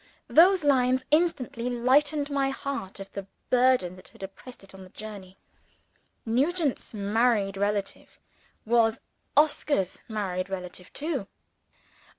Those lines instantly lightened my heart of the burden that had oppressed it on the journey. Nugent's married relative was Oscar's married relative too.